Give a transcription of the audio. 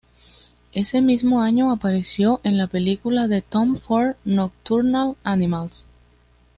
Ese mismo año apareció en la película de Tom Ford, "Nocturnal Animals".